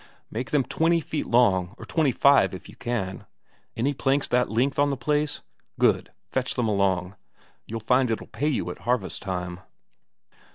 Make them twenty feet long or twenty five, if you can. Any planks that length on the place? Good; fetch them along you'll find it'll pay you at harvest time!"